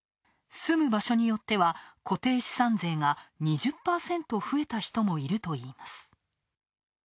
住む場所によっては固定資産税が２０％増えた人もいるといいます。